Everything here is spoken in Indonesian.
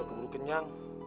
udah keburu kenyang